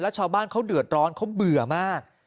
ชาวบ้านเขาเดือดร้อนเขาเบื่อมาก